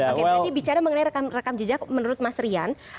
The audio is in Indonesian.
oke berarti bicara mengenai rekam jejak menurut mas rian